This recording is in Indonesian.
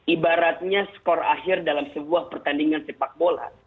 ibaratnya skor akhir dalam sebuah pertandingan sepak bola